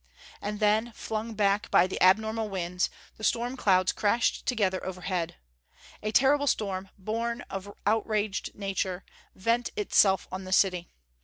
And then, flung back by the abnormal winds, the storm clouds crashed together overhead. A terrible storm, born of outraged nature, vent itself on the city.